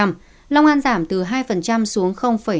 tiền giang giảm từ một hai xuống hai